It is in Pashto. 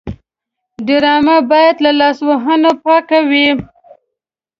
ډرامه باید له لاسوهنې پاکه وي